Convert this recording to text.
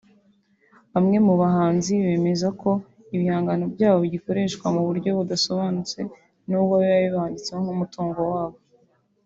Bamwe mu bahanzi bemeza ko ibihangano byabo bigikoreshwa mu buryo budasobanutse n’ubwo biba bibanditseho nk’umutungo wabo